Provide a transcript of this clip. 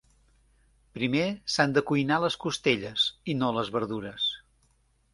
Primer s'han de cuinar les costelles i no les verdures.